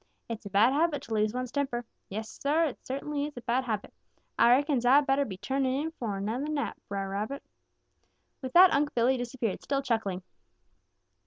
"It's a bad habit to lose one's temper. Yes, Sah, it cert'nly is a bad habit. Ah reckons Ah better be turning in fo' another nap, Brer Rabbit." With that Unc' Billy disappeared, still chuckling.